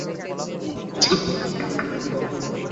ওহ, এই বুদ্ধিটাও মন্দ না!